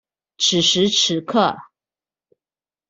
此時此刻